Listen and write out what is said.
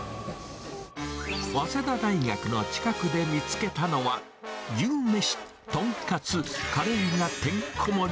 早稲田大学の近くで見つけたのは、牛めし、豚カツ、カレーがてんこ盛り。